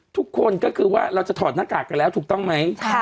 ทุกคนก็คือว่าเราจะถอดหน้ากากกันแล้วถูกต้องไหม